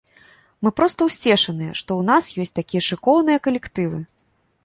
Мы проста ўсцешаныя, што ў нас ёсць такія шыкоўныя калектывы!